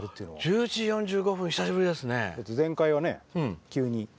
１１時４５分久しぶりですね。